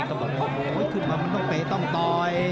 เขาบอกมวยขึ้นมามันต้องเตะต้องตอย